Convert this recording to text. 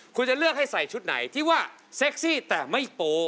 คุณจะเลือกให้ใส่ชุดไหนที่ว่าเซ็กซี่แต่ไม่โป